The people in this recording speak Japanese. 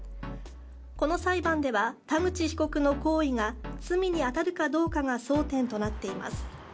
この裁判では、田口被告の行為が罪に当たるかどうかが争点となっています。